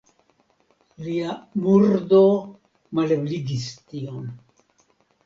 Lia murdo malebligis tion.